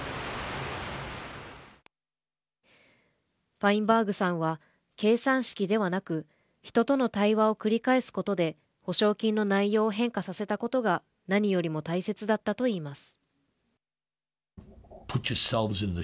ファインバーグさんは計算式ではなく人との対話を繰り返すことで補償金の内容を変化させたことが何よりも大切だったと言います。